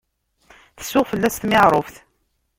Tsuɣ fell-as tmiɛruft.